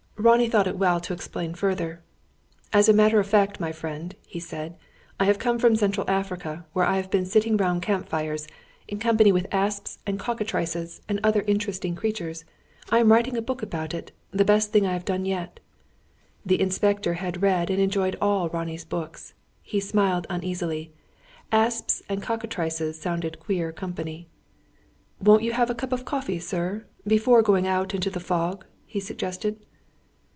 Ronnie thought it well to explain further. "As a matter of fact, my friend," he said, "I have come from Central Africa, where I have been sitting round camp fires, in company with asps and cockatrices, and other interesting creatures. I am writing a book about it the best thing I have done yet." The inspector had read and enjoyed all Ronnie's books. He smiled uneasily. Asps and cockatrices sounded queer company. "Won't you have a cup of coffee, sir, before going out into the fog?" he suggested.